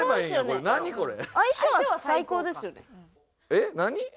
えっ何？